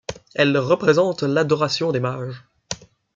Elle représente l'Adoration des mages.